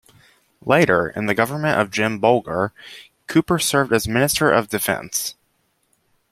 Later, in the government of Jim Bolger, Cooper served as Minister of Defence.